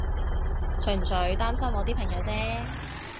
純粹擔心我啲朋友啫